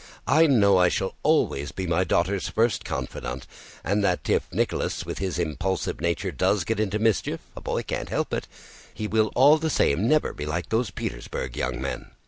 "I know I shall always be my daughters' first confidante, and that if Nicholas, with his impulsive nature, does get into mischief (a boy can't help it), he will all the same never be like those Petersburg young men."